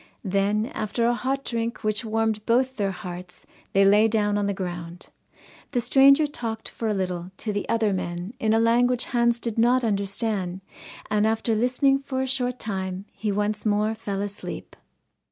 Then, after a hot drink which warmed both their hearts, they lay down on the ground. The stranger talked for a little to the other men in a language Hans did not understand, and after listening for a short time he once more fell asleep.